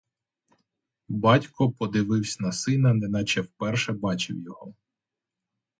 Батько подививсь на сина, неначе вперше бачив його.